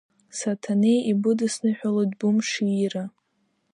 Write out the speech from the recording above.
Саҭанеи ибыдысныҳәалоит бымш иира!